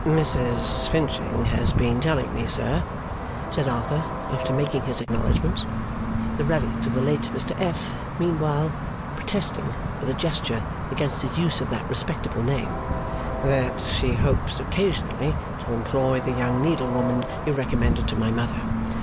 'Mrs Finching has been telling me, sir,' said Arthur, after making his acknowledgments; the relict of the late Mr F. meanwhile protesting, with a gesture, against his use of that respectable name; 'that she hopes occasionally to employ the young needlewoman you recommended to my mother.